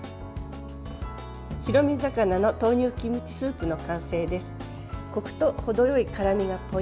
白身魚の豆乳キムチスープの完成です。